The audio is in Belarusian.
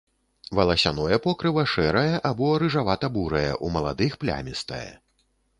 Валасяное покрыва шэрае або рыжавата-бурае, у маладых плямістае.